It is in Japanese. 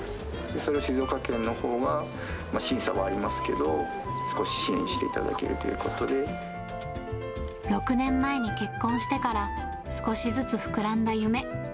それを静岡県のほうは審査はありますけど、少し支援していただけ６年前に結婚してから、少しずつ膨らんだ夢。